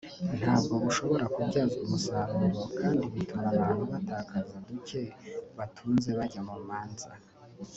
ntabwo bushobora kubyazwa umusaruro kandi bituma abantu batakaza duke batunze bajya mu manza